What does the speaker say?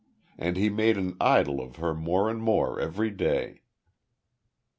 And he made an idol of her more and more every day.